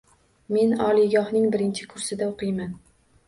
Men oliygohning birinchi kursida o’qiyman.